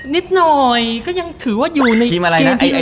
นิดหน่อยก็ยังถือว่าอยู่ในเกมที่